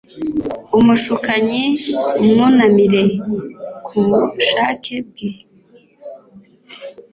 Umushukanyi amwunamire kubushake bwe